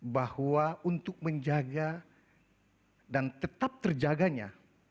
bahwa untuk menjaga dan tetap terjaganya